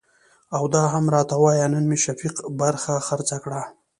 او دا هم ورته وايه نن مې شفيق برخه خرڅه کړه .